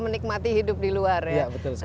menikmati hidup di luar ya